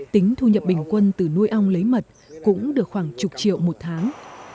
tính thu nhập bình quân từ nuôi ong lấy mật cũng được khoảng chục triệu một tháng